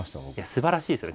すばらしいですよね。